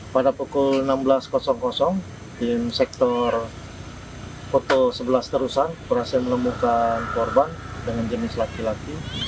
pada pukul enam belas tim sektor foto sebelas terusan berhasil menemukan korban dengan jenis laki laki